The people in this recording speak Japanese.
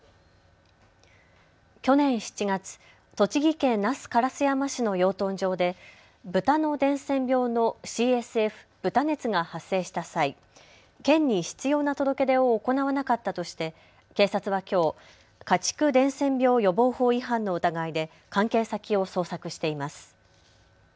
去年７月、栃木県那須烏山市の養豚場でブタの伝染病のＣＳＦ、豚熱が発生した際県に必要な届け出を行わなかったとして警察はきょう家畜伝染病予防法違反の疑いで関係先を捜索しています。